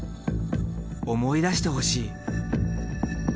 思い出してほしい。